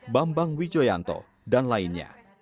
bambang wijoyanto dan lainnya